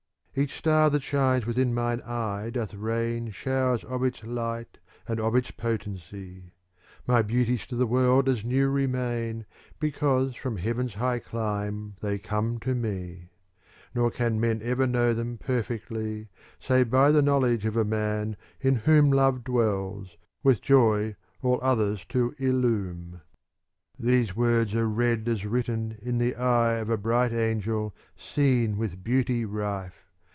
'" Each star that shines within mine eye doth rain Showers of its light, and of its potency: My beauties to the world as new remain, Because from Heaven's high clime they come to me; Nor can men ever know them perfectly, ^* Save by the knowledge of a man in whom Love dwells, with joy all others to illume." These words are read as written in the eye Of a bright angel, seen with beauty rife.